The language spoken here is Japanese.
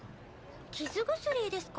傷薬ですか？